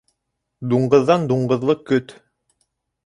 Дуңғыҙҙан дуңғыҙлыҡ көт.